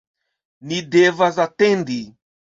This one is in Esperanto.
ni devas atendi!